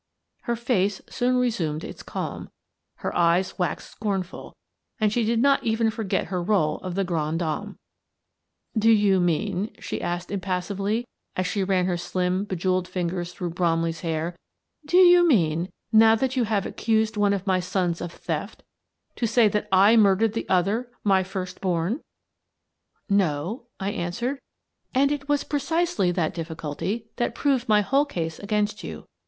Her face soon re sumed its calm, her eyes waxed scornful, and she did not even forget her role of the grande dame. " Do you mean," she asked impassively, as she ran her slim, bejewelled fingers through Bromley's hair, " do you mean — now that you have accused one of my sons of theft — to say that I murdered the other, my first born ?"" No," I answered, " and it was precisely that difficulty that proved my whole case against you.